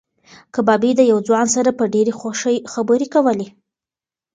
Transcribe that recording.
کبابي د یو ځوان سره په ډېرې خوښۍ خبرې کولې.